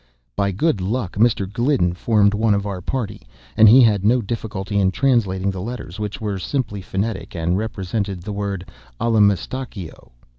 By good luck, Mr. Gliddon formed one of our party; and he had no difficulty in translating the letters, which were simply phonetic, and represented the word Allamistakeo.